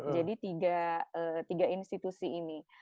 jadi tiga institusi ini